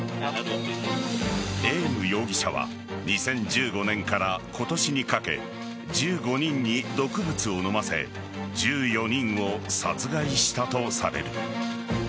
エーム容疑者は２０１５年から今年にかけ１５人に毒物を飲ませ１４人を殺害したとされる。